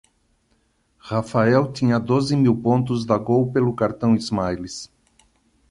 Rafael tinha doze mil pontos da Gol pelo cartão Smiles.